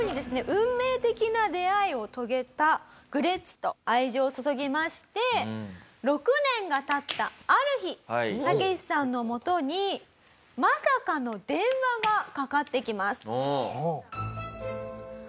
運命的な出会いを遂げたグレッチと愛情を注ぎまして６年が経ったある日タケシさんのもとにまさかの電話がかかってきます。